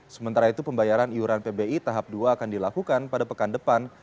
sementara itu pembayaran iuran pbi tahap dua akan dilakukan pada pekan depan